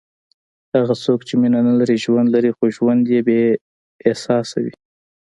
هغه څوک چې مینه نه لري، ژوند لري خو ژوند یې بېاحساسه وي.